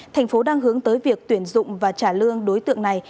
tp hcm đang hướng tới việc tuyển dụng và trả lương đối tượng này